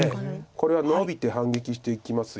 これはノビて反撃していきます。